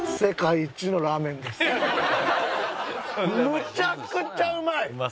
むちゃくちゃうまい！